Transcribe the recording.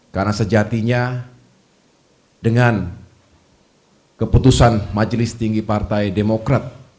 karena sejatinya dengan keputusan majelis tinggi partai demokrat